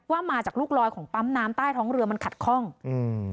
ว่ามาจากลูกลอยของปั๊มน้ำใต้ท้องเรือมันขัดข้องอืม